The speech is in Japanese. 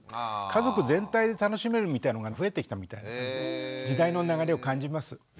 家族全体で楽しめるみたいのが増えてきたみたいな感じで時代の流れを感じます。